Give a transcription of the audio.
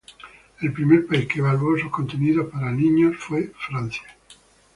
El primer país que evaluó sus contenidos para niños fue Francia.